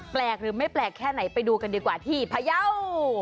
แปลกหรือไม่แปลกแค่ไหนไปดูกันดีกว่าที่พยาว